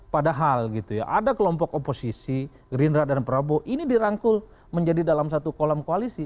padahal gitu ya ada kelompok oposisi gerindra dan prabowo ini dirangkul menjadi dalam satu kolam koalisi